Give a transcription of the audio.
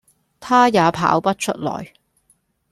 他也跑不出來